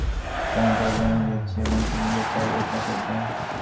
সময় পরিবর্তন হয়ে যাচ্ছে, এবং তুমি যা চাইবে তা করবে।